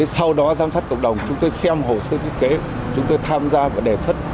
sau đó giám sát cộng đồng chúng tôi xem hồ sơ thiết kế chúng tôi tham gia và đề xuất